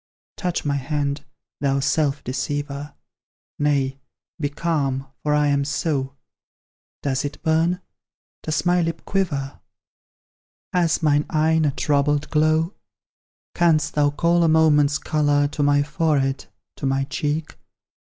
Touch my hand, thou self deceiver; Nay be calm, for I am so: Does it burn? Does my lip quiver? Has mine eye a troubled glow? Canst thou call a moment's colour To my forehead to my cheek?